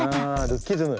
ルッキズム。